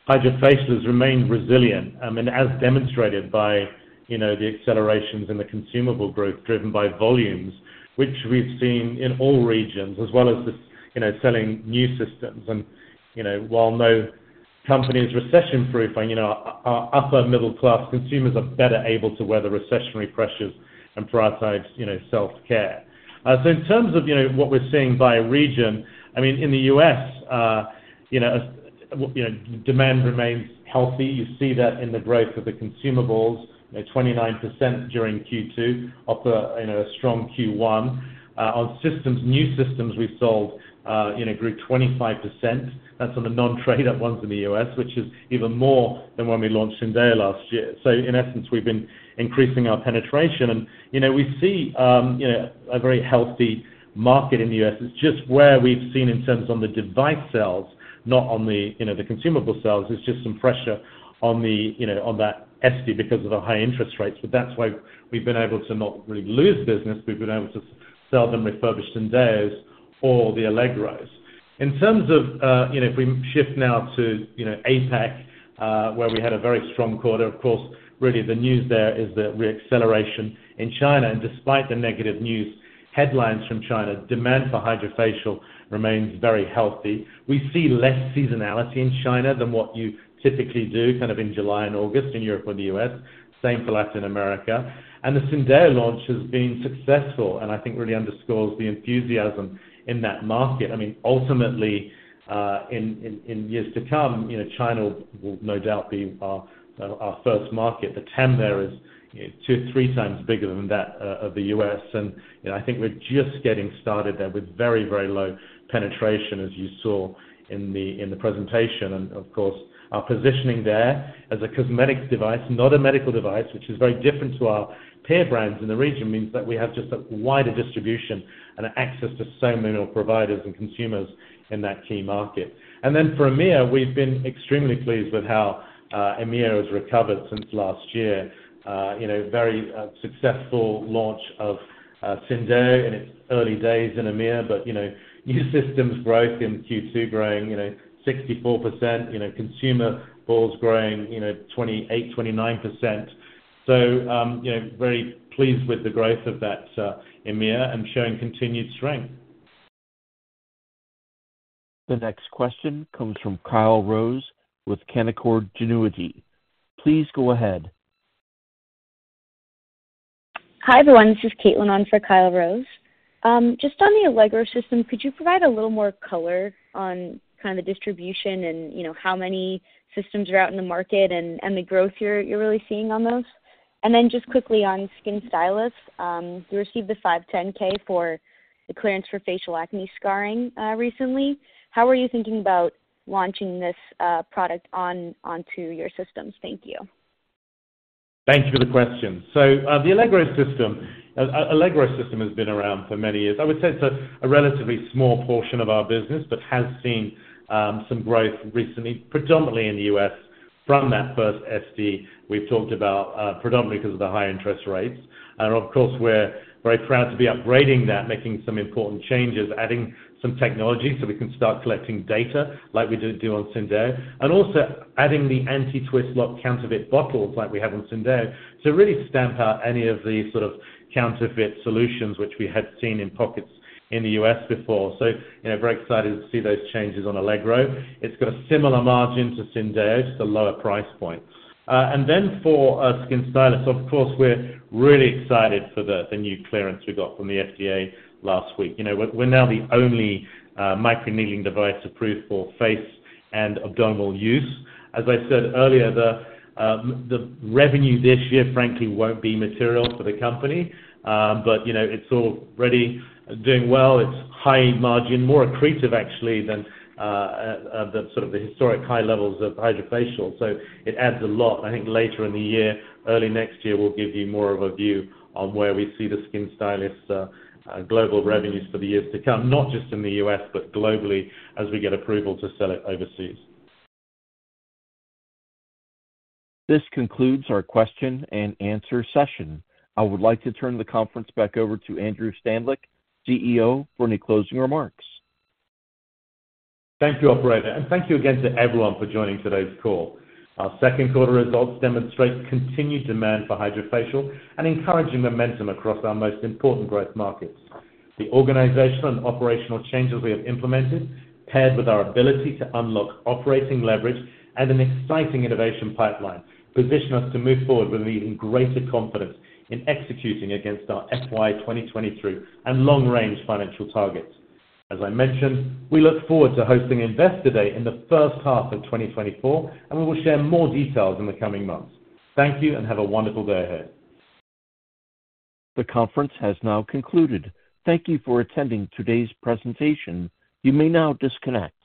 HydraFacials remain resilient. I mean, as demonstrated by, you know, the accelerations in the consumable growth driven by volumes, which we've seen in all regions, as well as the, you know, selling new systems. You know, while no company is recession-proof, and, you know, our, our upper middle-class consumers are better able to weather recessionary pressures and prioritize, you know, self-care. So in terms of, you know, what we're seeing by region, I mean, in the U.S., You know, demand remains healthy. You see that in the growth of the consumables, at 29% during Q2 off a, you know, strong Q1. On systems, new systems we sold, you know, grew 25%. That's on the non-trade up ones in the U.S., which is even more than when we launched Syndeo last year. In essence, we've been increasing our penetration. You know, we see, you know, a very healthy market in the U.S. It's just where we've seen in terms on the device sales, not on the, you know, the consumable sales. There's just some pressure on the, you know, on that SD because of the high interest rates. That's why we've been able to not really lose business. We've been able to sell them refurbished Syndeos or the Allegros. In terms of, you know, if we shift now to, you know, APAC, where we had a very strong quarter, of course, really the news there is the re-acceleration in China. Despite the negative news headlines from China, demand for HydraFacial remains very healthy. We see less seasonality in China than what you typically do, kind of in July and August in Europe or the U.S. Same for Latin America, and the Syndeo launch has been successful, and I think really underscores the enthusiasm in that market. I mean ultimately, in, in, in years to come, you know, China will, will no doubt be our, our first market. The TAM there is two, three times bigger than that, of the U.S., and, you know, I think we're just getting started there with very, very low penetration, as you saw in the, in the presentation. Of course, our positioning there as a cosmetics device, not a medical device, which is very different to our peer brands in the region, means that we have just a wider distribution and access to so many more providers and consumers in that key market. Then for EMEA, we've been extremely pleased with how EMEA has recovered since last year. You know, very successful launch of Syndeo in its early days in EMEA, but, you know, new systems growth in Q2 growing, you know, 64%. You know, consumer volumes growing, you know, 28%-29%. You know, very pleased with the growth of that EMEA and showing continued strength. The next question comes from Kyle Rose with Canaccord Genuity. Please go ahead. Hi, everyone. This is Caitlin on for Kyle Rose. Just on the Allegro system, could you provide a little more color on kind of the distribution and, you know, how many systems are out in the market and, and the growth you're, you're really seeing on those? Just quickly on SkinStylus, you received the 510(k) for the clearance for facial acne scarring recently. How are you thinking about launching this product onto your systems? Thank you. Thank you for the question. The Allegro system, Allegro system has been around for many years. I would say it's a, a relatively small portion of our business, but has seen some growth recently, predominantly in the U.S., from that first SD we've talked about, predominantly because of the high interest rates. Of course, we're very proud to be upgrading that, making some important changes, adding some technology so we can start collecting data like we do, do on Syndeo, and also adding the anti-twist lock counterfeit bottles like we have on Syndeo, to really stamp out any of the sort of counterfeit solutions which we had seen in pockets in the U.S. before. You know, very excited to see those changes on Allegro. It's got a similar margin to Syndeo, just a lower price point. Then for SkinStylus, of course, we're really excited for the new clearance we got from the FDA last week. You know, we're, we're now the only microneedling device approved for face and abdominal use. As I said earlier, the revenue this year frankly won't be material for the company. You know, it's already doing well. It's high margin, more accretive actually than the sort of the historic high levels of HydraFacial. It adds a lot. I think later in the year, early next year, we'll give you more of a view on where we see the SkinStylus global revenues for the years to come, not just in the U.S., but globally, as we get approval to sell it overseas. This concludes our question and answer session. I would like to turn the conference back over to Andrew Stanleick, CEO, for any closing remarks. Thank you, operator, and thank you again to everyone for joining today's call. Our second quarter results demonstrate continued demand for HydraFacial and encouraging momentum across our most important growth markets. The organizational and operational changes we have implemented, paired with our ability to unlock operating leverage and an exciting innovation pipeline, position us to move forward with even greater confidence in executing against our FY 2023 and long-range financial targets. As I mentioned, we look forward to hosting Investor Day in the first half of 2024, and we will share more details in the coming months. Thank you and have a wonderful day ahead. The conference has now concluded. Thank you for attending today's presentation. You may now disconnect.